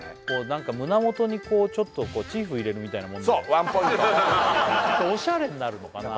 何か胸元にちょっとチーフ入れるみたいなもんでそうワンポイントおしゃれになるのかな？